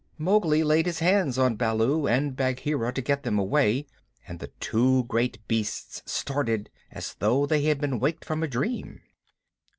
Mowgli laid his hands on Baloo and Bagheera to get them away, and the two great beasts started as though they had been waked from a dream.